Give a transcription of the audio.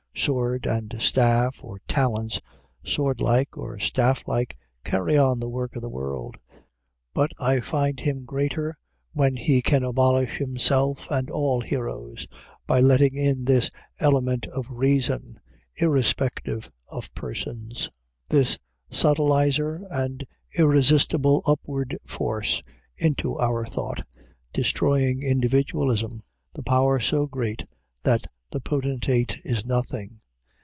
Sword and staff, or talents sword like or staff like, carry on the work of the world. But I find him greater when he can abolish himself, and all heroes, by letting in this element of reason, irrespective of persons; this subtilizer, and irresistible upward force, into our thought, destroying individualism; the power so great that the potentate is nothing.